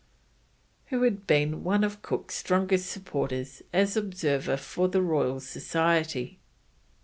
who had been one of Cook's strongest supporters as Observer for the Royal Society.